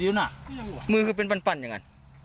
ดูในมือมีอะไรนะ